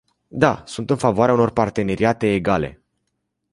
Da, sunt în favoarea unor parteneriate egale!